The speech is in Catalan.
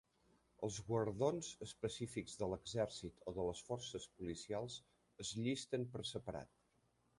Els guardons específics de l'exercit o les forces policials es llisten per separat.